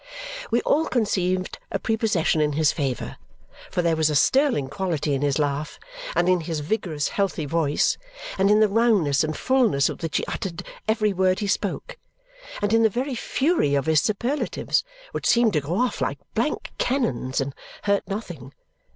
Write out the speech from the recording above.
We all conceived a prepossession in his favour, for there was a sterling quality in this laugh, and in his vigorous, healthy voice, and in the roundness and fullness with which he uttered every word he spoke, and in the very fury of his superlatives, which seemed to go off like blank cannons and hurt nothing.